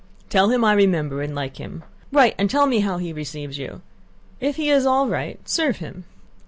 Tell him I remember and like him. Write and tell me how he receives you. If he is all right—serve him.